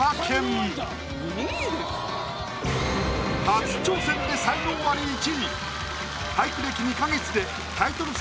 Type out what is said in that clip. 初挑戦で才能アリ１位。